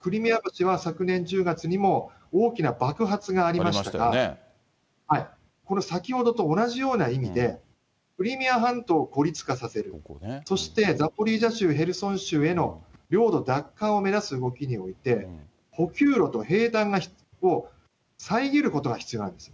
クリミア橋は昨年１０月にも大きな爆発がありましたが、この先ほどと同じような意味で、クリミア半島を孤立化させる、そしてザポリージャ州、ヘルソン州への領土奪還を目指す動きにおいて、補給路と兵団を遮ることが必要なんです。